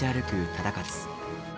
忠勝。